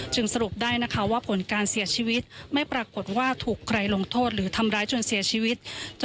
สรุปได้นะคะว่าผลการเสียชีวิตไม่ปรากฏว่าถูกใครลงโทษหรือทำร้ายจนเสียชีวิต